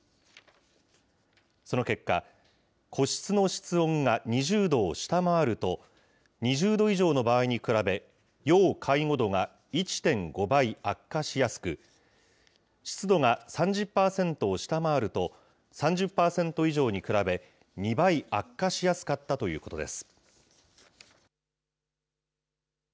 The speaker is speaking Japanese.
その結果、個室の室温が２０度を下回ると、２０度以上の場合に比べ、要介護度が１．５倍悪化しやすく、湿度が３０％を下回ると、３０％以上に比べ、２倍悪化しやすかったということです。